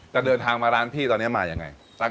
เดินทางมาร้านพี่ตอนนี้มายังไง